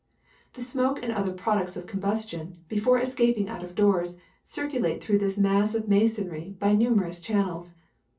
The smoke and other products of com bustion, before escaping out of doors, circulate through this mass of masonry by numerous channels.